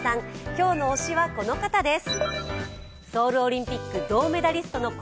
今日の推しは、この方です。